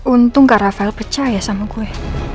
untung kak rafael percaya sama gue